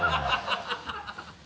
ハハハ